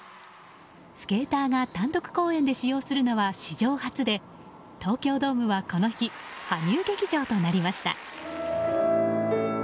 スケーターが単独公演で使用するのは史上初で東京ドームはこの日、羽生劇場となりました。